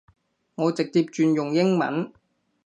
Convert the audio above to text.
我直接轉用英文